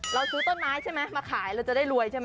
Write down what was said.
เราซื้อต้นไม้ใช่ไหมมาขายเราจะได้รวยใช่ไหม